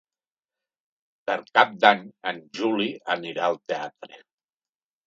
Per Cap d'Any en Juli anirà al teatre.